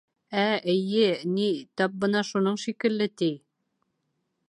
— Ә, эйе, ни, тап бына шуның шикелле, ти.